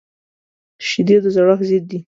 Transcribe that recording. شیدې د زړښت ضد دي